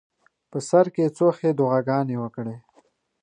په سر کې یې څو ښې دعاګانې وکړې.